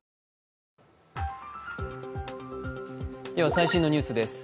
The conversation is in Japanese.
最新のニュースです。